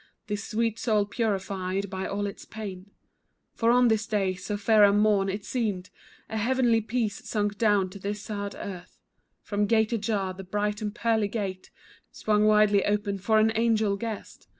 This sweet soul purified by all its pain, For on this day, so fair a morn, it seemed A heavenly peace sunk down to this sad earth From gate ajar, the bright and pearly gate Swung widely open for an angel guest.